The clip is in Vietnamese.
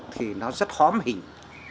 thì nó rất hóm hình